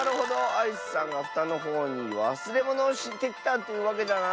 アイスさんがふたのほうにわすれものをしてきたというわけだな？